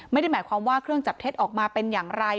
ไม่ได้หมายความว่าเครื่องจับเท็จออกมาเป็นอย่างไร